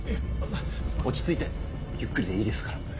落ち着いてゆっくりでいいですから。